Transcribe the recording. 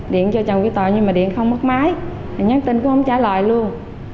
điện cho trang quy tòa nhưng mà điện không mất máy nhắn tin cũng không trả lời luôn